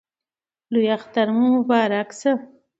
لوی اختر مو مبارک سه!